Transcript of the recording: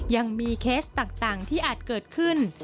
เคสต่างที่อาจเกิดขึ้น